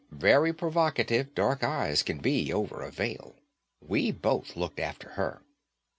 Very provocative, dark eyes can be over a veil. We both looked after her.